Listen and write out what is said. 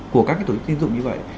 của các tổ chức tiên dụng như vậy